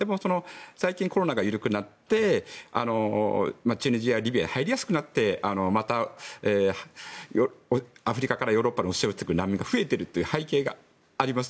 最近コロナが緩くなってチュニジア、リビア入りやすくなってアフリカからヨーロッパに押し寄せてくる難民が増えてくるという背景があります。